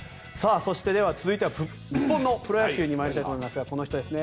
そして続いては日本のプロ野球に参りたいと思いますがこの人ですね